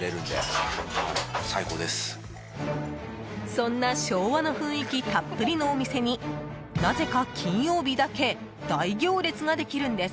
そんな昭和の雰囲気たっぷりのお店になぜか金曜日だけ大行列ができるんです。